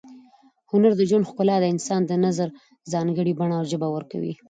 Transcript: هنر د ژوند ښکلا ته د انسان د نظر ځانګړې بڼه او ژبه ورکوي.